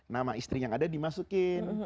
nama istri yang ada dimasukin